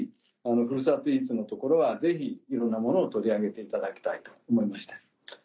ふるさとイーツのところはぜひいろんなものを取り上げていただきたいと思いました。